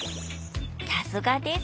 すがです